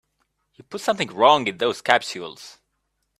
You put something wrong in those capsules.